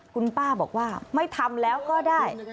คุณป้าบอกว่าไม่ทำแล้วก็ได้